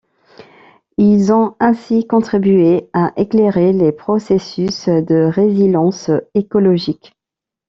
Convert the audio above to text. Ils ont ainsi contribué à éclairer les processus de résilience écologique.